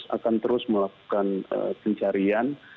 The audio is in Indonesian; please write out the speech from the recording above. akan terus melakukan pencarian